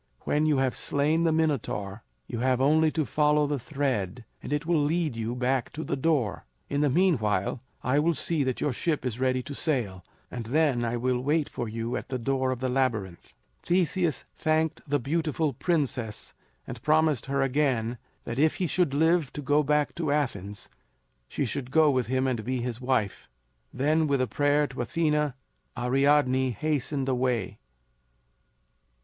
When you have slain the Minotaur, you have only to follow the thread and it will lead you back to the door. In the meanwhile I will see that your ship is ready to sail, and then I will wait for you at the door of the Labyrinth." [Illustration: "THE JAILER OPENED THE DOOR AT HER BIDDING."] Theseus thanked the beautiful princess and promised her again that if he should live to go back to Athens she should go with him and be his wife. Then with a prayer to Athena, Ariadne hastened away.